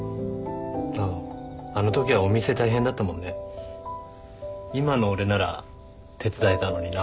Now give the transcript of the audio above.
あああのときはお店大変だったもんね。今の俺なら手伝えたのにな。